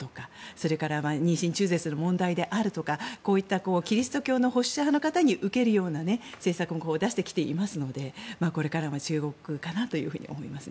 それから妊娠中絶の問題であるとかこういった、キリスト教の保守派の方に受けるような政策も出してきていますのでこれからも注目かなと思います。